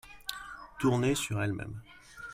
Tourner sur elle-même